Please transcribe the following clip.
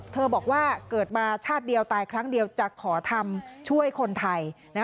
บอกว่าเกิดมาชาติเดียวตายครั้งเดียวจะขอทำช่วยคนไทย